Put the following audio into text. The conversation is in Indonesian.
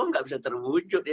tidak bisa terwujud